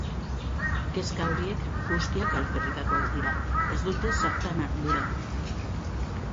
Kezka horiek guztiak alferrikakoak dira, ez dute zertan arduratu.